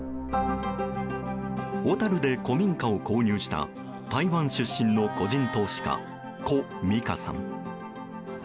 小樽で古民家を購入した台湾出身の個人投資家コ・ミカさん。